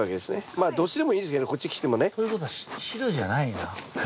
まあどっちでもいいですけどこっち切ってもね。ということは白じゃないな。